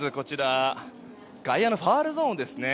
外野のファウルゾーンですね。